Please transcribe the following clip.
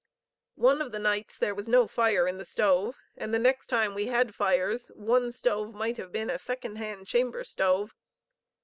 One of the nights there was no fire in the stove, and the next time we had fires, one stove might have been a second hand chamber stove.